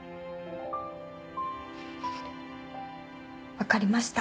分かりました。